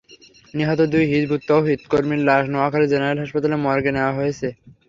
নিহত দুই হিজবুত তওহিদ কর্মীর লাশ নোয়াখালী জেনারেল হাসপাতালের মর্গে নেওয়া হয়েছে।